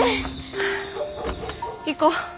行こう。